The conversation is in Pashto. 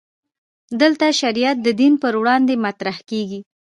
دلته شریعت د دین پر وړاندې مطرح کېږي.